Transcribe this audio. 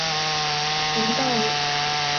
冯道人。